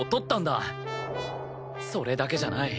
それだけじゃない。